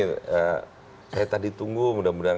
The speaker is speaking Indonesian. saya tadi tunggu mudah mudahan